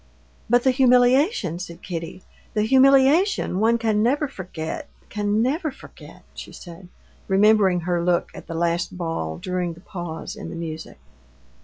"But the humiliation," said Kitty, "the humiliation one can never forget, can never forget," she said, remembering her look at the last ball during the pause in the music.